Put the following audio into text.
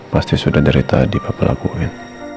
pasti sudah dari tadi papa lakuin